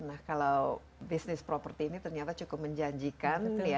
nah kalau bisnis properti ini ternyata cukup menjanjikan